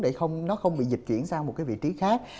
để nó không bị dịch chuyển sang một cái vị trí khác